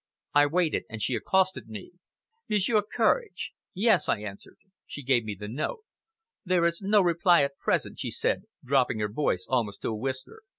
I waited, and she accosted me. "Monsieur Courage!" "Yes!" I answered. She gave me the note. "There is no reply at present," she said, dropping her voice almost to a whisper.